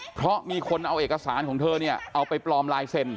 เพราะมีคนเอาเอกสารของเธอเนี่ยเอาไปปลอมลายเซ็น